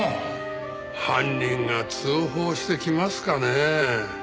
犯人が通報してきますかねえ？